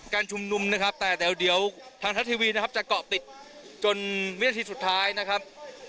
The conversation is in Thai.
ชุมนุมนะครับแต่เดี๋ยวทางทัศทีวีนะครับจะเกาะติดจนวินาทีสุดท้ายนะครับ